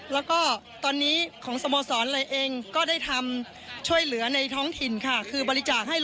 แล้วก็ตอนนี้ของสโมสรอะไรเองก็ได้ทำช่วยเหลือในท้องถิ่นค่ะคือบริจาคให้